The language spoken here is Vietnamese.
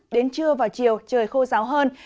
đến trưa và chiều trời khô ráo hơn